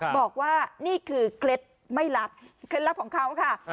บอกว่านี่คือเคล็ดไม่ลับเคล็ดลับของเขาค่ะ